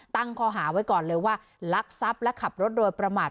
ตั้งข้อหาไว้ก่อนเลยว่าลักทรัพย์และขับรถโดยประมาท